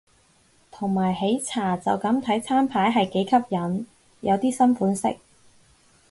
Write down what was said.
同埋喜茶就咁睇餐牌係幾吸引，有啲新款式